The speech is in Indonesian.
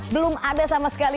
belum ada sama sekali